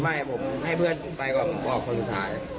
ไม่ผมให้เพื่อนผมไปก่อนผมออกคนสุดท้าย